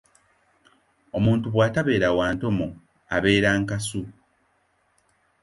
Omuntu bw’atabeera wa ntomo abeera nkasu.